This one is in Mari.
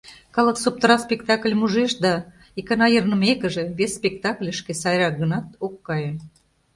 Калык соптыра спектакльым ужеш да, икана йырнымекыже, вес спектакльышке, сайрак гынат, ок кае.